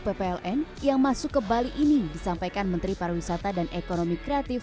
ppln yang masuk ke bali ini disampaikan menteri pariwisata dan ekonomi kreatif